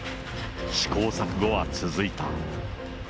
試行錯誤は続いた。